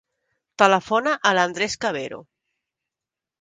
Telefona a l'Andrés Cavero.